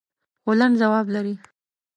خو لنډ ځواب لري.